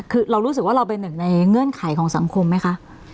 คือเรารู้สึกว่าเราเป็นหนึ่งในเงื่อนไขของสังคมไหมคะ